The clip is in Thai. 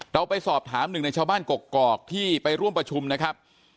เราไปสอบถามหนึ่งในชาวบ้านกกอกที่ไปร่วมประชุมนะครับ